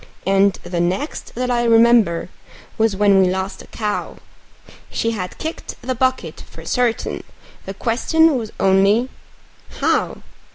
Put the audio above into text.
And the next that I remember was when we lost a cow; She had kicked the bucket for certain, the question was only How?